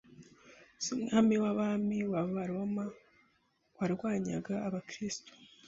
z’umwami w’abami w’Abaroma warwanyaga Abakristo